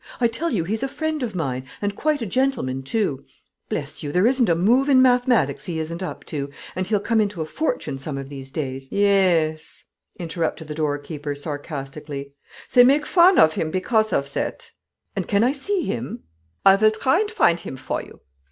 I tell you he's a friend of mine, and quite a gentleman too. Bless you, there isn't a move in mathematics he isn't up to; and he'll come into a fortune some of these days " "Yaase," interrupted the door keeper, sarcastically, "Zey bake von of him pegause off dad." "And can I see him?" "I phill dry and vind him vor you.